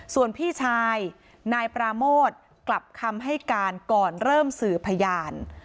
ส่วนพี่ชายนายปราโมทกลับคำให้การก่อนเริ่มสื่อพยาน